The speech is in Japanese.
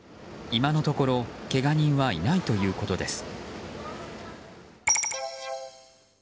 今のところけが人はいないということです。